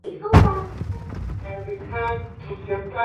我快到了，你再等一下。